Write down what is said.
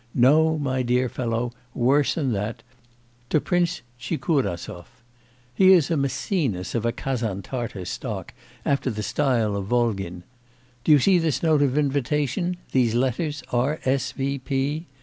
No, my dear fellow, worse than that; to Prince Tchikurasov. He is a Maecenas of a Kazan Tartar stock, after the style of Volgin. Do you see this note of invitation, these letters, R.S.V.